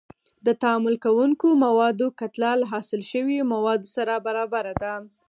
د تعامل کوونکو موادو کتله له حاصل شویو موادو سره برابره ده.